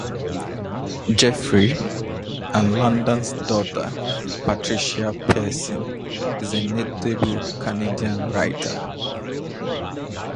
Geoffrey and Landon's daughter Patricia Pearson is a notable Canadian writer.